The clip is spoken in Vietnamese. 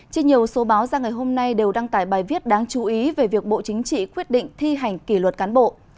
trên nhiều số báo ra ngày hôm nay đều đăng tải bài viết đáng chú ý về việc bộ chính trị quyết định thi hành kỷ luật cán bộ